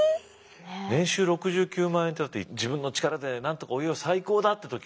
年収６９万円って自分の力でなんとかお家を再興だ！って時は確か８０万だよ